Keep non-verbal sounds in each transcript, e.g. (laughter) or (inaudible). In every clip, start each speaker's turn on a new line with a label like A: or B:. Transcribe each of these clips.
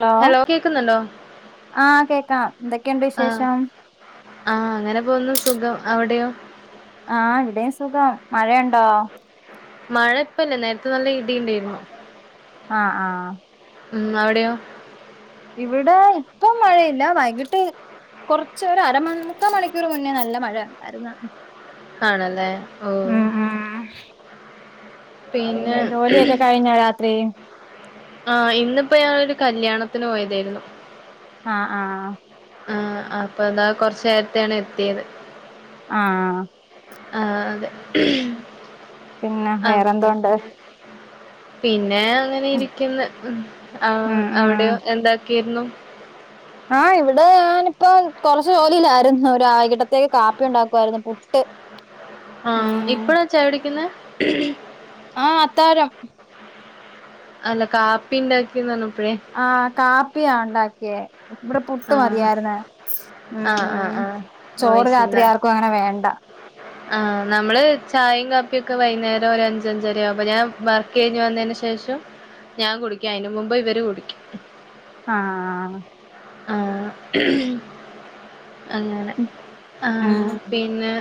A: Hello ആഹ് കേക്കാം എന്തൊക്കെയുണ്ട്
B: ആഹ്
A: വിശേഷം
B: ആഹ് അങ്ങനെ പോവുന്നു സുഖം അവിടെയോ
A: ആഹ് ഇവിടെയും സുഖം, മഴയുണ്ടോ
B: മഴപ്പല്ല നേര്ത്തെ നല്ല ഇടി
A: ആഹ് ആഹ്
B: ഉം അവിടെയോ
A: ഇവിടെ ഇപ്പം മഴയില്ല വൈകിട്ട് കൊറച്ച് ഒരമ്മുക്കാ മണിക്കൂർ മുന്നേ നല്ല മഴ ഉണ്ടായിരുന്നതാണ്
B: ആണല്ലേ ഓഹ്
A: ഉം പിന്നെ ജോലിയൊക്കെ കഴിഞ്ഞൊ രാത്രി
B: ആഹ് ഇന്നിപ്പോ ഞങ്ങളൊരു കല്യാണത്തിന് പോയതായിരുന്നു
A: ആഹ് ആഹ്
B: ആഹ് അപ്പതാ കൊർച്ചേര്ത്തെയാണ് എത്തിയത്
A: ആഹ്
B: ആഹ് അതെ
A: പിന്നെ
B: അപ്പൊ
A: വേറെന്തോണ്ട്
B: പിന്നെ പിന്നെ അങ്ങനെ ഇരിക്കുന്ന്. ഉം
A: ഉം ഉം
B: അവിടെയോ എന്താ ക്കേര്ന്നു
A: ആഹ ഇവിടെ ഞാനിപ്പം കൊറച്ചു ജോലില്ലായിരുന്നു ഒ ആകിട്ടത്തേക്ക് കാപ്പി ഉണ്ടാക്കുവായിരുന്നു പുട്ട്
B: ആഹ
A: ഉം
B: ഇപ്പളാ ചായകുടിക്കുന്നെ
A: ആഹ് അത്തായം
B: അല്ല കാപ്പി ഉണ്ടാക്കിന്ന് പറഞ്ഞപ്പളെ
A: ആഹ കാപ്പിയാ ഉണ്ടാക്കിയേ ഇവിടെ പുട്ട്
B: ആഹ്
A: മതിയായിരുന്ന ഉം
B: ആഹ്
A: ഉ
B: ആഹ് ആഹ്
A: ചോറ്
B: വോയിസില്ല
A: രാത്രി ആർക്കും അങ്ങനെ വേണ്ട
B: ആഹ് നമ്മള് ചായയും കാപ്പിയ ഒക്കെ വൈകുന്നേരം ഒരു അഞ്ചഞ്ചര അപ്പൊ ഞാൻ വർക്ക് കഴിഞ്ഞഞ് വന്നതിന് ശേഷം ഞാൻ കുടിക്കും അയിന് മുമ്പ് ഇവര് കുടിക്കും
A: ആഹ്
B: (unintelligible) അങ്ങനെ ആഹ് പിന്നെ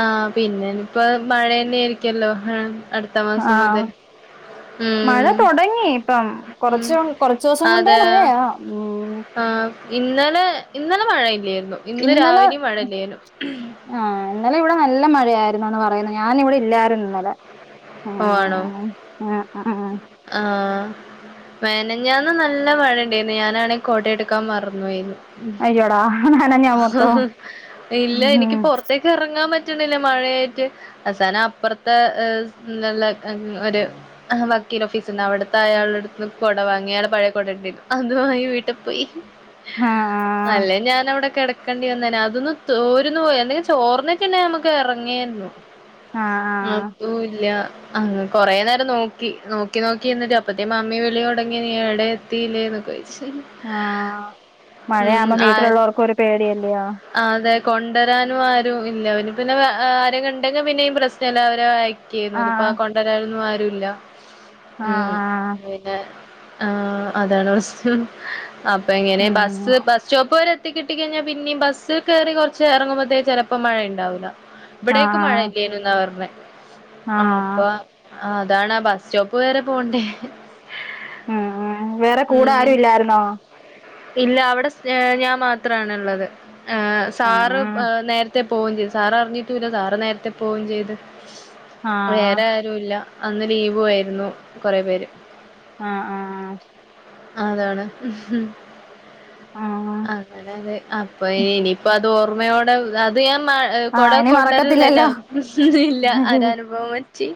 B: ആഹ പിന്നെനി ഇപ്പോ മഴ ന്നെ ആയിരിക്കല്ലോ അടുത്ത മാസം
A: ആഹ്
B: മുതൽ
A: മഴ
B: ഉം
A: തുടങ്ങി ഇപ്പം കൊറച്ച
B: ഉം
A: കൊറച്ച ദിവസം കൊണ്ടേ
B: അതെ
A: മഴയാ ഉം
B: ആഹ് ഇന്നലെ ഇന്നലെ മഴയില്ലായിരുന്നു ഇന്ന്
A: ഇന്നലെ
B: രാവിലെയും മഴയില്ലായിരുന്നു
A: ആഹ് ഇന്നലെ ഇവിടെ നല്ല മഴയായിരുന്നുന്ന് പറയുന്നത് ഞാന ഇവിടെ ഇല്ല ഇന്നലെ
B: ഓഹ് ആണോ
A: ആഹ് ആഹ്
B: ആഹ് മെനഞ്ഞാന്ന് നല്ല മഴ ഉണ്ടായിരുന്നു ഞാനാണെങ്ക കൊട എടുക്കാൻ മറന്നു പോയിരുന്നു
A: അയ്യോടാ നനഞ്ഞോ മൊത്തം
B: ഇല്ല എനിക്ക്
A: ഉം
B: പുറത്തേ ഇറങ്ങാൻ പറ്റുന്നില്ല മഴയായിട്ട് അവസാനം അപ്പുറത്തെ ത്തെ നല്ല ഒരു ആ വക്കീൽ ഓഫീസ്ണ്ട് അവിടുത്തെ അയാളുടെ അടുന്ന് കുട വാങ്ങി അയാളെ പഴയ കുട ഉണ്ടരുന്നു അതുമായി വീട്ടിൽ പോയി ഉ
A: ആഹ് ആഹ്
B: അല്ലേ ഞാൻ അവിടെ കടക്കണ്ടി വന്നേനെ അതൊന്ന് ചോരുന്ന് പോയ എന്തെങ്ക ചോറിനന്നെ നമുക്ക് ഇറങ്ങിയിരുന്നു
A: ആഹ് ആഹ്
B: അതുല്ല അഹ കൊറെ നേരം നോക്കി നോക്കി നോക്കി എന്നിട്ട് അപ്പത്തെ മാമ്മി വിളി തുടങ്ങി നീവിടെ ത്തില്ലേന്നൊക്കെ ചോയ്ച്ച്
A: ആഹ് മഴയാവുമ്പോം വീട്ടിലുള്ളവർക്കും ഒരു പേടിയല്ലയോ
B: ആഹ് അതെ കൊണ്ടുവരാനും ആരും ഇല്ല അവന് പിന്നെ ആര കണ്ടെങ്കിൽ പിന്നെയും പ്രശ്നംല്ല അവരെ അതിപ്പോ
A: ആഹ്
B: ആ കൊണ്ടുവരാനൊന്നും ആരുല്ല ഉം
A: ആഹ്
B: ആഹ് അതാണ് പ്രശ്നം അപ്പൊ എങ്ങനെ ബസ് ബ
A: ആഹ്
B: ബസ് സ്റ്റോപ്പ് വരെത്തി കിട്ടിക്കഴിഞ്ഞാ പിന്നെയ ബസ്ൽ കയറി കുറച്ച് ഇറങ്ങുമ്പോഴത്തേക്ക് ചിലപ്പോം മഴയ ഉണ്ടാവൂല്ല ഇവിടേക്ക് മഴ
A: ആഹ്
B: ഇല്ലേനുന്നാ പറഞ്ഞ ആ
A: ആഹ്
B: അപ്പൊ ആഹ് അതാണ് ആ ബസ് സ്റ്റോപ്പ് വരെ പോവണ്ടേ
A: ഉം വേറെ കൂടെ ആരും ഇല്ലായിരുന്നോ
B: ഇല്ല അവിടെ ഞാൻ മാത്രമാണുള്ളത് സാറ്
A: ആഹ്
B: നേരത്തെ പോയും ചെയ്ത് സാറ അറിഞ്ഞിട്ടല്ല സാറ് നേരത്തെ പോവയും ചെയ്ത്
A: ആഹ്
B: വേറെ ല്ല അന്ന് ലീവു ആയിരുന്നു കുറേ പേര്
A: ആഹ് ആഹ്
B: അതാണ്
A: ആഹ്
B: അങ്ങനെ അതെ അപ്പൊ ഇനിയിപ്പോ അത് ഓർമ്മയോടെ അത് ഞാൻ കൊട
A: ആഹ് ഇനി മറക്കത്തില്ലല്ലോ
B: കൊണ്ടുവരന്നെന്നല്ല ഒരനുഭവം വെച്ച്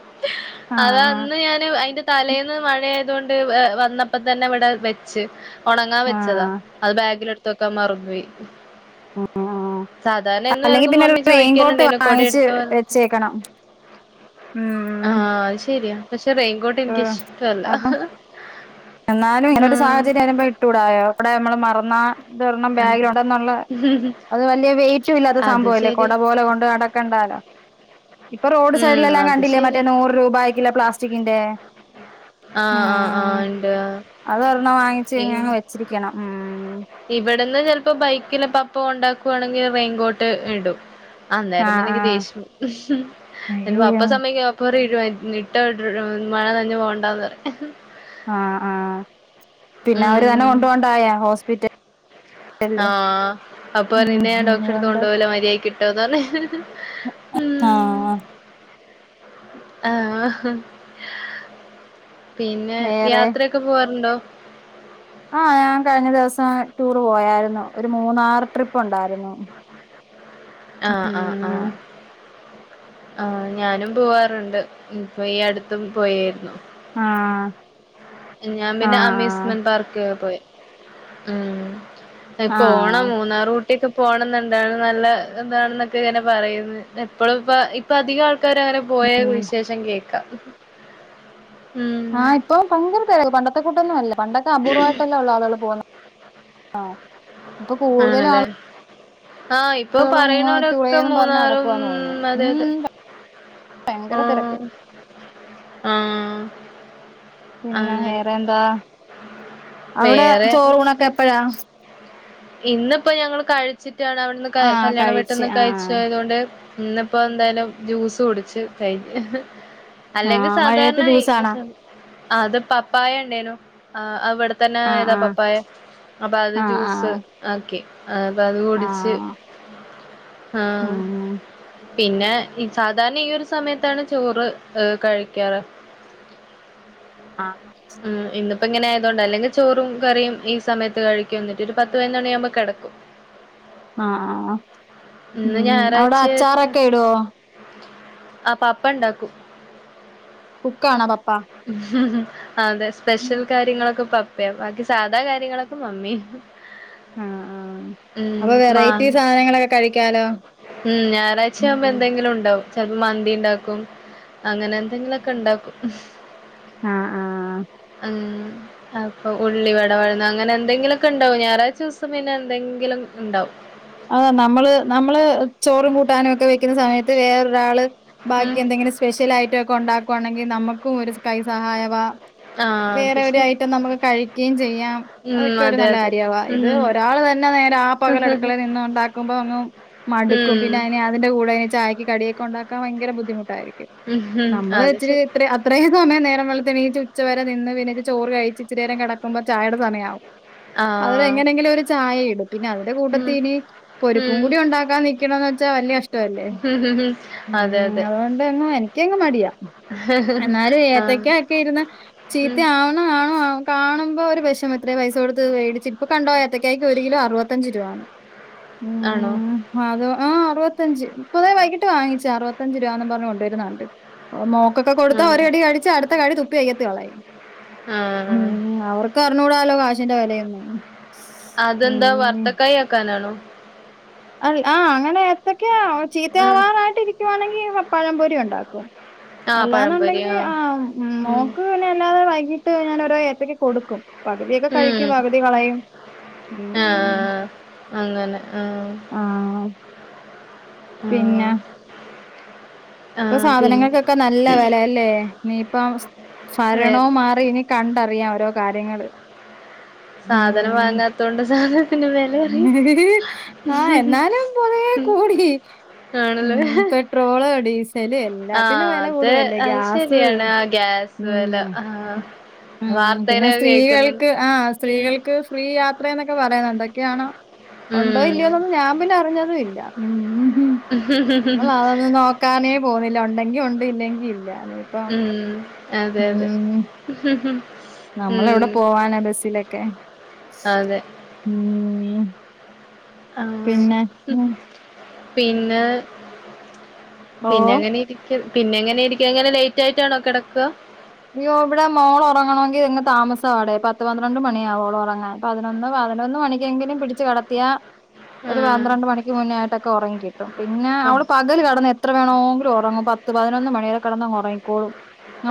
B: അതാ
A: ആഹ്
B: ഇന്ന് ഞാന് അതിന്റെ തലേന്ന് മഴ ആയത് കൊണ്ട് വന്നപ്പോ തന്നെ ഇവിടെ വെച്ച് ഒണങ്ങാൻ വെച്ചതാ
A: ആഹ്
B: അത് ബാഗിലെടുത്ത് വെക്കാൻ മറന്ന്പോയ് സാധാരണ എന്നും
A: അല്ലെങ്കിൽ
B: എറങ്ങുമ്പോ
A: പിന്നെ ഒരു
B: മമ്മി
A: റെയിൻകോട്ട്
B: ചോയിക്കലുണ്ടേനു കൊടെ
A: വാങ്ങിച്ച്
B: എടുത്തോ അതെടുത്തോ
A: വെച്ചേക്കണം ഉം
B: ആഹ് അത് ശെരിയാ പക്ഷെ
A: ഉം
B: റെയിൻകോട്ടെനിക്കിഷ്ടല്ല
A: അപ്പം എന്നാലും ഇങ്ങനൊരു സാഹചര്യം വരുമ്പോ ഇട്ടൂടായോ അവിടെ നമ്മള് മറന്നാ ഇതൊർണ്ണം ബാഗിലൊണ്ടെന്നൊള്ളെ അത് വല്യ വെയിറ്റും ഇല്ലാത്ത
B: അത്
A: സംഭവം അല്ലേ
B: ശരി
A: കൊട പോലെ കൊണ്ട് നടക്കണ്ടാല്ലോ ഇപ്പൊ റോഡ്
B: ഉം
A: സൈഡിലെല്ലാം
B: അത്
A: കണ്ടില്ലേ
B: ശരി
A: മറ്റേ നൂറ് രൂപായിക്കില്ലെ പ്ലാസ്റ്റിക്കിന്റെ
B: ആഹ് ആഹ് ആഹ് ഇണ്ട് ആഹ്
A: അതൊരെണം വാങ്ങിച്ച് ഇനിയങ്ങ് വെച്ചിരിക്കണം ഉം
B: ഇവിടുന്ന് ചെലപ്പൊ ബൈക്കില് പപ്പ കൊണ്ടാക്കുവാണെങ്കി ഞാൻ റെയിൻകോട്ട് ഇടും ആന്നേരം തന്നെ
A: ആഹ്
B: എനിക്ക്
A: ആഹ്
B: ദേഷ്യം എന്റെ പപ്പ
A: അയ്യോ
B: സമ്മയ്ക്ക പ്പറീഴുവാരിക്കും ഇട്ടോ ഇട്ട് എഹ് മഴ നനഞ്ഞു പോകണ്ടാന്ന് പറയും
A: ആഹ് ആഹ് പിന്നെ അവര് തന്നെ
B: ഉം
A: കൊണ്ടോണ്ടായോ ഹോസ്പിറ്റൽ
B: ആഹ് അപ്പറയും നിന്നെ ഞാൻ
A: ഉം
B: ഡോക്ടറെടുത്ത്
A: അതുകൊണ്ട്
B: കൊണ്ടുപോവില്ല മര്യായിക്ക് ഇട്ടോന്ന് പറയും ഉം
A: ആഹ് ആഹ്
B: ആഹ് പിന്നെ
A: വേറെ
B: യാത്രക്കെ പോവാറുണ്ടോ
A: ആഹ് ഞാൻ കഴിഞ്ഞ ദിവസം ടൂറ് പോയാരുന്നു ഒരു മൂന്നാറ് ട്രിപ്പൊണ്ടാരുന്നു
B: ആഹ് ആഹ് ആഹ് ആഹ് ഞാനും പോവാറുണ്ട് ഇപ്പൊ ഈ അടുത്തും പോയീര്ന്നു
A: ആഹ്
B: ഏഹ് ഞാൻ പിന്നെ
A: ആഹ്
B: അമ്യൂസ്മെന്റ് പാർക്ക് പോയി ഉം ഏഹ് പോണം
A: ആഹ്
B: മൂന്നാറൂ യെക്കെ പോണംന്നുണ്ടാര്ണ് നല്ല ഇതാണെന്നൊക്കെ ഇങ്ങനെ പറയ്ന്ന് എപ്പോഴും ഇപ്പ ഇ ഇപ്പധികം ആൾക്കാരും അങ്ങനെ പോയ വിശേഷം കേക്കാം ഉം
A: ആഹ് ഇപ്പം ദയങ്കര തെ പണ്ടത്തെക്കൂട്ടൊന്നുവല്ല പണ്ടൊക്കെ അപൂർവായിട്ടല്ലെ ഒള്ളൂ ആളുകള് പോകുന്നെ ആഹ്
B: ആണല്ലേ ആഹ് ഇപ് ഇപ്പൊ
A: ളും
B: പറയുന്നവരൊക്കെ
A: ടുളേന്നും പറഞ്ഞ്
B: മൂന്നാറും
A: നടക്കുവാന്ന് തോന്നുന്നു
B: അതെതെ
A: ഉം ഭയങ്കര തിരക്ക്
B: ആഹ് ആഹ്
A: പിന്നെ
B: അങ്ങനെ
A: വേറെ എന്താ അവിടെ
B: വേറെ
A: ചോറൂണൊക്കെ എപ്പഴാ
B: ഇന്നിപ്പോ ഞങ്ങള് കഴിച്ചിട്ടാണ് അവിടുന്ന് ക
A: ആഹ്
B: കല്യാണം
A: കഴിച്ച്
B: വീട്ടിന്ന്
A: ആഹ്
B: കഴിച്ചതായതുകൊണ്ട് ഇന്നിപ്പോ എന്തായാലും ജ്യൂസ് കുടിച്ച് കഴിഞ്ഞ് അല്ലെങ്കി
A: ആഹ് മഴയത്ത്
B: സാധാർണായി
A: ജ്യൂസാണോ
B: ആഹ് അത് പപ്പായ ഉണ്ടേനു ആഹ് അവിടെത്തന്നെ
A: ആഹ്
B: ആയതാ
A: ആഹ്
B: പപ്പായ അപ്പൊ അത്
A: ആഹ്
B: ജ്യൂസ്
A: ആഹ്
B: ആക്കി ആഹ് അപ്പ അത് കുടിച്ച്
A: ആഹ്
B: ആഹ്
A: ഉം
B: പിന്നെ ഈ സാധാരണ ഈയൊരു സമയത്താണ് ചോറ് ഏഹ് കഴിക്കാറ്
A: ആഹ്
B: ഉം ഇന്നിപ്പോ ഇങ്ങനെ ആയതുകൊണ്ടാ അല്ലെങ്കി ചോറും കറിയും ഈ സമയത്ത് കഴിക്കും എന്നിട്ടൊരു പത്ത് പതിനൊന്ന് മണിയാവുമ്പോ കെടക്കും
A: ആഹ് ആഹ് ആഹ് ഉം അവിടെ അച്ചാറൊക്കെ ഇട്വോ
B: ആഹ് പപ്പ ഇണ്ടാക്കും
A: കുക്കാണോ പപ്പാ
B: അതെ സ്പെഷ്യൽ കാര്യങ്ങളൊക്കെ പപ്പ് വേ ബാക്കി സാധാ കാര്യങ്ങളൊക്കെ മമ്മി
A: ആഹ് ആഹ്
B: ഉം
A: അപ്പൊ വെറൈറ്റി സാധനങ്ങളൊക്കെ കഴിക്കാല്ലോ
B: മം. ഞായറാഴ്ചയാവുമ്പോ എന്തെങ്കിലും ഉണ്ടാവും. ചെലപ്പോ മന്തി ഇണ്ടാക്കും അങ്ങനെ എന്തെങ്കിലൊക്കെ ഇണ്ടാക്കും.
A: ആഹ് ആഹ്.
B: ഉം. അപ്പൊ ഉള്ളി വട വഴന്നു അങ്ങനെ എന്തെങ്കിലൊക്കെ ഉണ്ടാവും ഞായറാഴ്ച ദിവസം പിന്നെ എന്തെങ്കിലും ഇണ്ടാവും.
A: അതാ നമ്മള് നമ്മള് ചോറും കൂട്ടാനും ഒക്കെ വെക്കുന്ന സമയത്ത് വേറൊരാള്
B: ഉം
A: ബാക്കി എന്തെങ്കലു സ് സ്പെഷ്യൽ ആയിട്ടൊക്കെ ഉണ്ടാക്കുവാണെങ്കി നമുക്കും ഒരു കൈ സഹായവാ.
B: ആഹ്
A: വേറെ
B: അത്
A: ഒരു
B: ശരി
A: ഐറ്റം നമുക്ക് കഴിക്കേംചെയ്യാം
B: ഉം
A: അതൊക്കെ ഒരു
B: അതെ
A: നല്ല
B: അതെ
A: കാര്യവാ ഇത് ഒരാള് തന്നെ നേരെ ആ പകലെടുക്ക ടുക്കള നിന്ന ഇണ്ടാക്കുമ്പോ അങ്
B: ഉം
A: മടുക്കും പിന്നെ
B: ഉം
A: അനെ അതിന്റെ കൂടെ ചായക്ക് കടിയൊക്കെ ഉണ്ടാക്കാൻ ഭയങ്കര ബുദ്ധിമുട്ടായിരിക്കും
B: ഉം ഉം
A: നമ്മള്
B: അത് ശരി
A: ച്ചിരി അത്ര അത്രേ സമയ നേരം വെളുത്തെണീച്ച് ഉച്ച വരെ നിന്ന് പിന്നെ ചോറ് കഴിച്ച് ഇച്ചരി നേരം കെടക്കുമ്പോ ചായടെ സമയയാവും. അവര്
B: ആഹ്
A: എങ്ങനെയെങ്കിലും ഒരു ചായ ഇടും പിന്നെ അതിന്റെ കൂട്ടത്തി
B: ഉം
A: ഇനി പൊരിപ്പും
B: ഉം
A: കൂടി ഉണ്ടാക്കാൻ നിക്കണംന്ന് വെച്ചാ വല്ല്യാ കഷ്ടല്ലേ.
B: ഉം അതെ
A: ഉം.
B: അതെ
A: അതുകൊണ്ടൊന്നും എനിക്കങ്ങ് മടിയാ എന്നാലും
B: ആഹ്
A: ഏത്തക്കാക്കെയിരിന്ന്
B: ഉം
A: ചീത്തയാവണ്ടാ ആഹ് ആഹ് കാണുമ്പോ ഒരു വിഷമം ഇത്ര പൈസ കൊടുത്ത് മേടിച്ച് ഇപ്പ് കണ്ടോ ഏത്തക്കായക്ക് ഒരു കിലോ അറുപത്തഞ്ച് രൂപ.
B: ആണോ?
A: ആഹ് അത് ആഹ് അറുപത്തഞ്ച് ഇപ്പോ ദേ വൈകിട്ട് വാങ്ങിച് അറുപത്തഞ്ച് രൂപാന്ന് പറഞ്ഞ് കൊണ്ടുവരുന്ന കണ്ട്. മോക്കൊക്കെ കൊടുത്താ
B: ഉം
A: ഒരു കടി കഴിച്ച അടുത്ത കടി തുപ്പി വക്കത്തേയൊള്ളേ
B: ആഹ്
A: ഉം. അവർക്ക് വർക്കറിഞ്ഞൂടാലോ കാശിന്റെ വെലയൊന്നു
B: അതെന്താ വർത്തക്കായ ക്കാനാണോ?
A: അല്ല ആഹ് അങ്ങനെ ഏത്തെക്ക
B: ഉം
A: ചീത്തയാവാറായിട്ട് ഇരിക്കുവാണെങ്കിൽ പഴംപൊരി ഉണ്ടാക്കും.
B: ആഹ് പഴംപൊരി
A: അല്ലാന്നുണ്ടെങ്കിൽ ആഹ്
B: ഉം
A: മോക്ക് പിന്നെ അല്ലാതെ വൈകീട്ട് ഞാനോരോ ഏത്തയ്ക്കാ കൊടുക്കും. പകുതിയൊക്കെ കഴിക്കും
B: ഉം
A: പകുതി കളയും ഉം..
B: ആഹ് അങ്ങനെ ആഹ്..
A: ആഹ്.
B: ആഹ്.
A: പിന്നെ ഇപ്പൊ
B: ആഹ് പിന്നെ
A: സാധനങ്ങൾക്കൊക്കെ നല്ല വെലയല്ലേ ഇനിയിപ്പ
B: വേ
A: ഭരണം മാറി അപ്പഇനി കണ്ടറിയാം ഓരോ കാര്യങ്ങള്.
B: സാധനം
A: ഉം
B: വാങ്ങാത്തോണ്ട് സാധനത്തിന് വെലറിയും
A: ആഹ് എന്നാലും കൊറേ കൂടി ഇ
B: ആണല്ലോ?
A: ട്രോള് ഡീസല് എല്ലാത്തിനും
B: അത്
A: വെലകൂടൊല്ല്യാ
B: അത്
A: ഗ്യാസ്
B: ശരിയാണ് ആ ഗ്യാസ്
A: ഉം
B: വെല ആഹ്
A: ഉ പിന്നെ
B: വാർത്തയിലൊക്കെ കേക്കുന്നുണ്ട്
A: സ്ത്രീകൾക്ക് ആഹ്
B: ഉം
A: സ്ത്രീകൾക്ക് ഫ്രീ യാത്രന്നൊക്കെ പറയുന്നുണ്ട്. ക്കയാണ്
B: ഉം
A: ഒണ്ടോ ഇല്ലയോന്നൊന്നും ഞാൻ പിന്നെ അറിഞ്ഞതും ഇല്ല ഉം. മ്മള് അതൊന്നും നോക്കാനേ പോന്നില്ല ഒണ്ടെങ്കി ഉണ്ട് ഇല്ലെങ്കിൽ ഇല്ല
B: ഉം. അതെ അതെ.
A: ഉം. നമ്മളെവിടെ
B: ഉം
A: പോവാനാ ബസ്സിലൊക്കെ?
B: അതെ.
A: ഉം പിന്നെ
B: ആഹ്
A: ഉം.
B: പിന്നെ
A: ഓഹ്.
B: പിന്നങ്ങനെ ഇരിക്കും പിന്നെ എങ്ങനെരിക്ക എങ്ങനെ ലേറ്റ് ആയിട്ടാണോ കെടക്ക
A: ഇയ്യോ ഇവിടെ മോളോറങ്ങണോങ്കി ഇങ് താമസാടെ പത്ത് പന്ത്രണ്ട് മണിയ ഓളൊറങ്ങാൻ പതിനൊന്ന് പതിനൊന്ന് മണിക്കെങ്കിലും പിടിച്ച് കെടത്തിയാ ഒരു പന്ത്രണ്ട്
B: ആഹ്
A: മണിക്ക് മുന്നേയായിട്ടൊക്കെ ഒറങ്ങി കിട്ടും പിന്നെ അവള് പ കല് കെടന്ന് എത്ര വേണോങ്കിലും ഒറങ്ങും പത്ത് പതിനൊന്ന് മണിവരെ കെടന്നങ്ങുറങ്ങിക്കോളും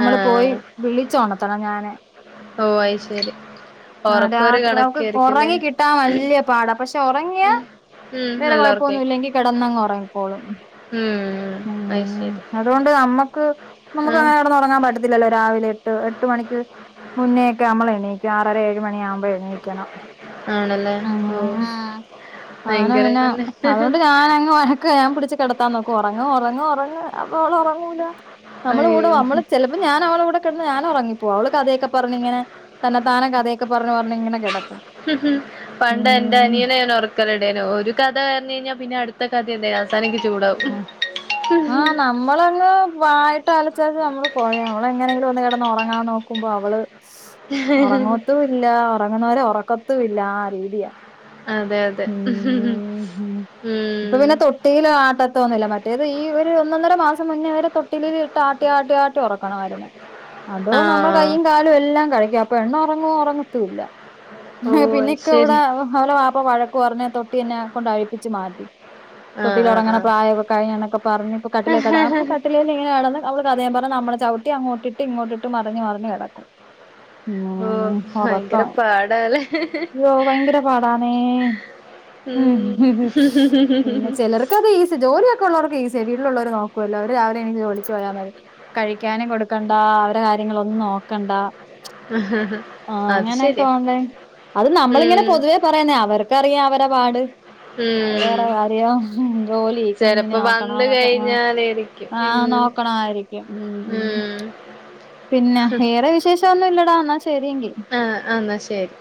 B: ആഹ്
A: പോയി വിളിച്ചോണർത്തണം ഞാന്
B: ഓഹ് അയ് ശരി
A: ആഹ്
B: ഒറക്കം ഒരു
A: രാത്രി അവക്ക്
B: കണക്കായിരിക്കുംല്ലേ
A: ഒറങ്ങി കിട്ടാൻ വല്ല്യ പാടാ പക്ഷെ ഒറങ്ങിയാ
B: ഉം ഉം
A: വേറെ
B: നല്ല
A: കൊഴപ്പൊന്നും
B: ഒറക്കായിരിക്കും
A: ഇല്ലെങ്കി കെടന്നങ്ങോറങ്ങിക്കോളും
B: ഉം അത് ശരി
A: ഉം അതുകൊണ്ട് നമ്മക്ക് നമ്മക്ക്
B: ആഹ്
A: അങ്ങനെ കെടന്ന് ഒറങ്ങാൻ പറ്റത്തില്ലല്ലോ രാവിലെ എട്ട് എട്ട് മണിക്ക് മുന്നേ ഒക്കെ നമ്മളെ എണീക്കും ആറര ഏഴുമ മണിയാകുമ്പോൾ എണീക്കണം
B: ആണല്ലേ ഓഹ്
A: ആഹ് അങ്ങനെ പിന്നെ അതുകൊണ്ട് ഞാനങ് വഴക്ക് ഞാൻ പിടിച്ച് കെടത്താൻ നോക്കും ഒറങ്ങ് ഒറങ്ങ് ഒറങ്ങ് അപ്പം അവളൊറങ്ങൂല നമ്മള് കൂടെ
B: അയ്യോ
A: നമ്മള് ചെലപ്പം അപ്പ ഞാനവളെ കൂടെ കെടന്ന് ഞാനൊറങ്ങി പോവും അവള് കഥയൊ പറഞ്ഞിങ്ങനെ തന്ന താനേ കഥയൊക്കെ പറഞ്ഞ് പറഞ്ഞിങ്ങനെ കെട
B: ഉം ഉം പണ്ടെന്റെ അനിയനെ ഞാനൊറ ഒരു കഥ പറഞ്ഞ് കഴിഞ്ഞാ പിന്നെ അടുത്ത കഥ എന്തേനാ തനിക്ക് ചൂടാവും
A: ആഹ് നാമ് നമ്മളങ്ങ് വായിട്ടലച്ചാല് നമ്മള് കൊഴയും അവളെങ്ങനെങ്കിലും ഒന്ന് കെടന്ന് ഒറങ്ങാൻ നോക്കുമ്പോ അവള് ഒറങ്ങത്തുല്ല ഒറങ്ങുന്നവരെ ഒറക്കത്തു ഇല്ല ആ രീതിയ
B: അതെ അതെ ഉം
A: തൊട്ടിയിലാട്ടത്തൊന്നുല്ല മറ്റേത് ഈ ഒരു ഒന്നൊന്നര മാസം മുന്നേ അവരെ തൊട്ടിലിലിട്ട് ആട്ടി ആട്ടി ആട്ടി ഒറക്കണമായിരുന്നു അതോ നമ്മള്
B: ആഹ്
A: കൈയും കാലും എല്ലാം കഴക്കും അപ്പൊ പെണ്ണോറങ്ങുവോ ഉറങ്ങത്തൂല്ല
B: ഓ
A: പിന്നെ
B: അത്
A: ഇക്ക ഇവിടെ
B: ശരി
A: അവളെ വാപ്പ വഴക്കു പറഞ്ഞ് തൊട്ടി എന്നെ കൊണ്ട് അഴിപ്പിച്ച് മാറ്റി
B: ആഹ് ആഹ്
A: തൊട്ടിലൊറങ്ങണ
B: ആഹ്
A: പ്രായമൊക്കെ കഴിഞ്ഞെന്നൊക്കെ പറഞ്ഞ് പ്പ കട്ടിലെക്കെട അപ്പ കട്ടിലെലങ്ങനെ കെടന്ന് അവള് കഥേം പറഞ്ഞ് നമ്മളെ ചവിട്ടി അങ്ങോട്ടിട്ട് ഇങ്ങോട്ടിട്ട് മറിഞ്ഞ് മറിഞ്ഞ് കെടക്കും
B: ഓ
A: ഉം
B: ഭയങ്കര
A: ഒറക്കം
B: പാടാല്ലേ
A: അയ്യോ ഭയങ്കര പാടാണേ
B: ഉം
A: ക്കെതീസി ജോലിയൊക്കെ ഒള്ളോർക്ക് ഈസീ വീ ക്കുവല്ലോ അവര് രാവിലെ എണീറ്റ് ജോലിക്ക് പോയാ മതി കഴിക്കാനും കൊടുക്കണ്ട അവരെ കാര്യങ്ങളൊന്നും നോക്കണ്ട ആഹ്
B: അത്
A: അങ്ങനെയൊക്കെ
B: ശരിയാ
A: ഒണ്ടേ അത് നമ്മളിങ്ങനെ
B: ഉം
A: പൊതുവേ പറയുന്ന അവർക്കറിയാം അവരെ പാട്
B: ഉം
A: അത്‌വേറെ കാര്യം ജോലി കുഞ്ഞിനെ
B: ചെലപ്പോ
A: നോക്കണം
B: വന്ന്
A: അതൊക്കെ ആഹ്
B: കഴിഞ്ഞാലേരിക്കും
A: ആഹ്
B: ഉം
A: നോക്കണായിരിക്കും ഉം ഉം പിന്നെ ഏറെ വിശേഷം ഒന്നും ഇല്ലെടാ എന്നാ ശരിയെങ്കി
B: ആഹ് ആഹ് എന്നാ ശരി